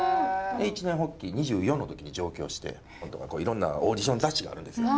一念発起２４の時に上京していろんなオーディション雑誌があるんですよ。